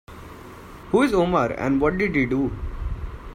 Who is Omar and what did he do?